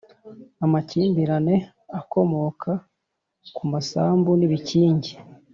amakimbirane akomoka ku masambu n'ibikingi.